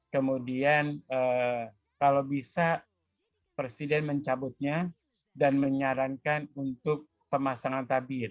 kemudian kalau bisa presiden mencabutnya dan menyarankan untuk pemasangan tabir